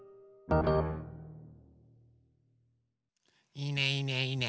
いいねいいねいいね。